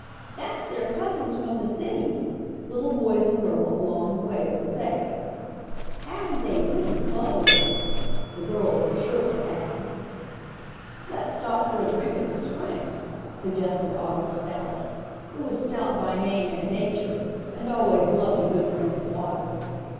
"That's their cousins from the city," little boys and girls along the way would say. "Haven't they pretty clothes!" the girls were sure to add. "Let's stop for a drink at the spring," suggested August Stout, who was stout by name and nature, and always loved a good drink of water.